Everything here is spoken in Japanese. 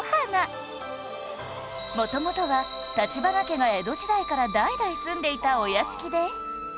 元々は立花家が江戸時代から代々住んでいたお屋敷で